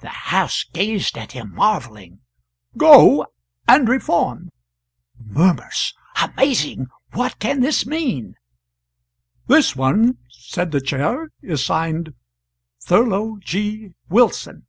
[The house gazed at him marvelling.] Go, and reform."' [Murmurs: "Amazing! what can this mean?"] This one," said the Chair, "is signed Thurlow G. Wilson."